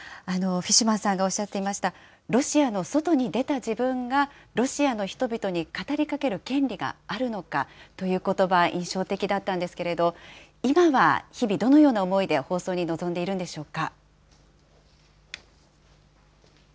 フィッシュマンさんがおっしゃっていました、ロシアの外に出た自分が、ロシアの人々に語りかける権利があるのかということば、印象的だったんですけれども、今は日々、どのような思いで放送に臨んでいるんでしょうか。